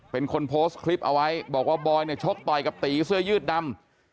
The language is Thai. เป็นคนโพสต์คลิปเอาไว้บอกว่าบอยเนี่ยชกต่อยกับตีเสื้อยืดดำ